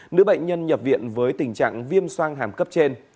nữ bệnh nhân nhập viện với tình trạng viêm soang hàm cấp trên